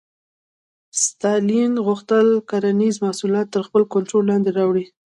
ستالین غوښتل کرنیز محصولات تر خپل کنټرول لاندې راولي.